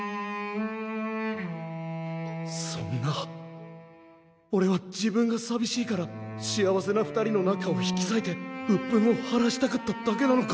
そんなおれは自分がさびしいから幸せな２人の仲を引きさいてうっぷんを晴らしたかっただけなのか？